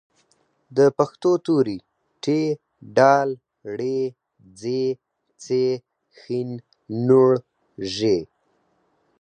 د پښتو توري: ټ، ډ، ړ، ځ، څ، ښ، ڼ، ږ